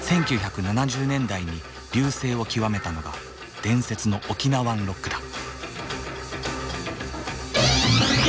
１９７０年代に隆盛を極めたのが伝説のオキナワンロックだ。